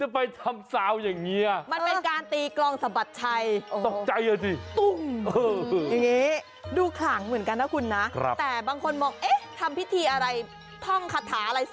โปรดติดตามตอนต่อไป